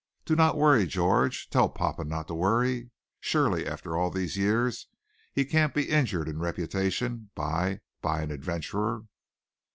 Do not worry, George, tell papa not to worry. Surely after all these years he can't be injured in reputation by by an adventurer."